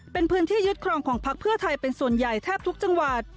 เป็นพื้นที่ยึดครองของพักเพื่อไทยเป็นส่วนใหญ่แทบทุกจังหวัด